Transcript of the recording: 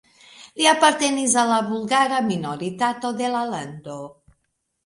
Li apartenis al la bulgara minoritato de la lando.